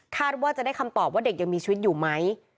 ว่าจะได้คำตอบว่าเด็กยังมีชีวิตอยู่ไหม